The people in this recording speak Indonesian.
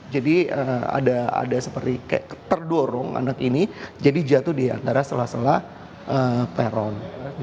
jadi ada seperti terdorong anak ini jadi jatuh di antara celah celah peron